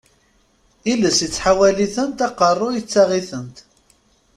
Iles ittḥawal-itent, aqerru yettaɣ-itent.